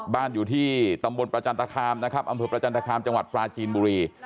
บ้านอยู่ที่ตำบลประจันตคามนะครับอำเภอประจันทคามจังหวัดปลาจีนบุรี